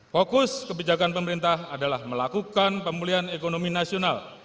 fokus kebijakan pemerintah adalah melakukan pemulihan ekonomi nasional